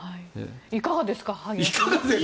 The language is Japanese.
いかがですか。